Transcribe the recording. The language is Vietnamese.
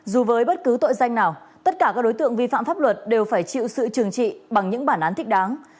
dù với bất cứ tội danh nào tất cả các đối tượng vi phạm pháp luật đều phải chịu sự trừng trị bằng những bản án thích đáng